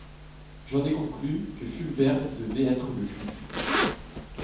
J’en ai conclu que Fulbert devait être le juge.